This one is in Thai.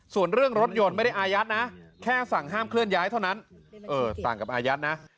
ส่วนเรื่องรถยนต์ไม่ได้อายัดนะแค่สั่งห้ามเคลื่อนย้ายเท่านั้น